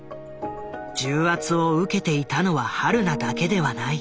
重圧を受けていたのは榛名だけではない。